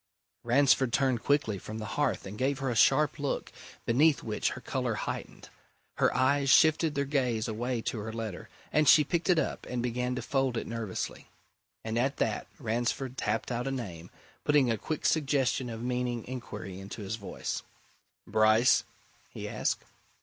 Ransford turned quickly from the hearth and gave her a sharp look, beneath which her colour heightened. Her eyes shifted their gaze away to her letter, and she picked it up and began to fold it nervously. And at that Ransford rapped out a name, putting a quick suggestion of meaning inquiry into his voice. "Bryce?" he asked.